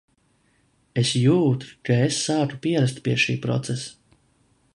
Es jūtu, ka es sāku pierast pie šī procesa.